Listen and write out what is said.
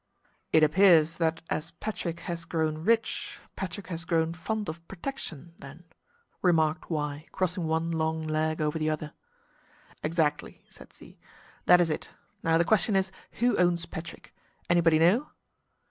"It appears that as Patrick has grown rich, Patrick has grown fond of protection, then," remarked Y, crossing one long leg over the other. "Exactly," said Z. "That is it. Now the question is, who owns Patrick? Anybody know?"